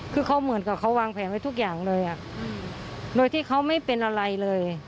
คือเขาเหมือนกับเขาวางแผนไว้ทุกอย่างเลยโดยที่เขาไม่เป็นอะไรเลย